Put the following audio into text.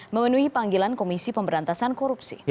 memenuhi panggilan komisi pemberantasan korupsi